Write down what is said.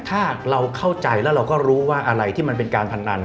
ถ้าเราเข้าใจแล้วเราก็รู้ว่าอะไรที่มันเป็นการพนัน